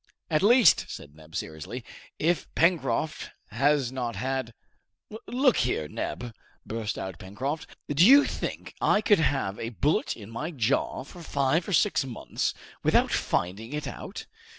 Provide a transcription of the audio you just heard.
"At least," said Neb seriously, "if Pencroft has not had " "Look here, Neb," burst out Pencroft. "Do you think I could have a bullet in my jaw for five or six months without finding it out?